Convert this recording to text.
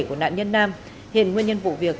của nạn nhân nam hiện nguyên nhân vụ việc